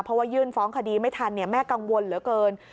เพราะว่ายื่นฟ้องคดีไม่ทันแม่กังวลเหลือเกิน